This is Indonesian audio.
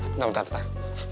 bentar bentar bentar